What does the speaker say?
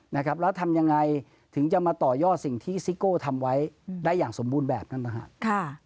นะครับแล้วทำยังไงถึงจะมาต่อยอดสิ่งที่ซิโก้ทำไว้ได้อย่างสมบูรณ์แบบนั้นนะฮะ